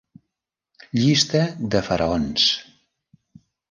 Llista de faraons.